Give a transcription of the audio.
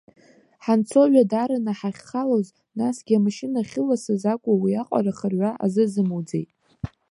Ҳанцо ҩадараны ҳахьхалоз, насгьы амашьына ахьыласыз акәу, уиаҟара хырҩа азызмуӡеит.